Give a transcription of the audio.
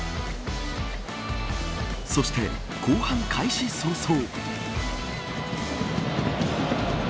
そして、後半開始早々。